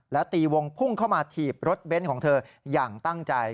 แล้วตีวงพุ่งเข้ามาถีบรถเบ้นของเธออย่างตั้งใจ